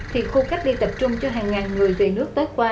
thì khu cách ly tập trung cho hàng ngàn người về nước tết qua